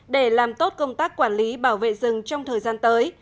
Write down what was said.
để làm tốt công tác quản lý bảo vệ rừng trong thời gian tới